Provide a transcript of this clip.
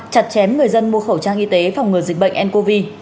chặt chém người dân mua khẩu trang y tế phòng ngừa dịch bệnh ncov